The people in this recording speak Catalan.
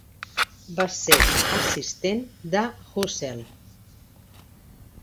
Va ser assistent de Husserl.